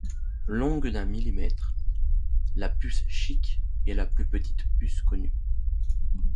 Longue d'un millimètre, la puce-chique est la plus petite puce connue.